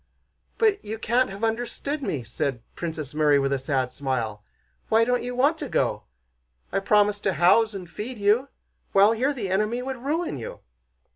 "But you can't have understood me," said Princess Mary with a sad smile. "Why don't you want to go? I promise to house and feed you, while here the enemy would ruin you...."